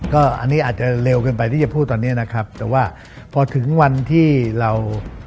ก็อันนี้อาจจะเร็วเกินไปที่จะพูดตอนเนี้ยนะครับแต่ว่าพอถึงวันที่เรา